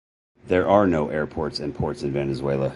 There are no airports and ports in Valenzuela.